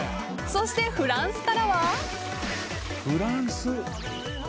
そしてフランスからは。